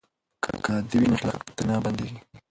که ازادي وي نو خلاقیت نه بنديږي.